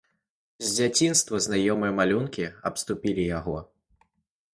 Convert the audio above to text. З дзяцінства знаёмыя малюнкі абступілі яго.